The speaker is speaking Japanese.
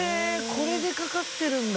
これでかかってるんだ。